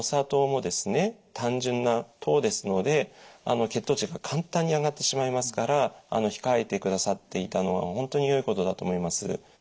単純な糖ですので血糖値が簡単に上がってしまいますから控えてくださっていたのは本当によいことだと思います。